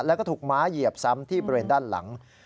แล้วก็ถูกม้าเหยียบซ้ำที่บริเวณด้านหลัง